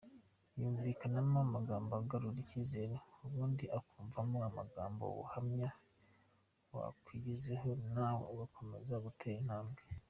Yumvikanamo amagambo agarura icyizere ubundi ukumvamo amagambo y’ubuhamya wakwigiraho nawe ugakomeza gutera intambwe.